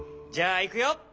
じゃあいくよ！